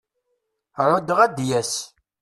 Ɛuddeɣ ad d-yas.